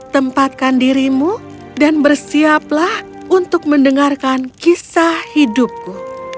tempatkan dirimu dan bersiaplah untuk mendengarkan kisah hidupku